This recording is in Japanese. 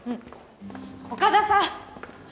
岡田さん